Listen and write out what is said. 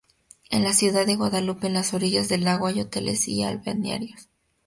En la ciudad de Guadalupe, en las orillas del lago, hay hoteles y balnearios.